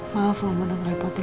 maaf mama udah ngerepotin